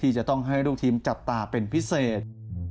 จะต้องให้ลูกทีมจับตาเป็นพิเศษ